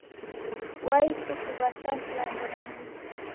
Waichi kuw'acha vilambo na midi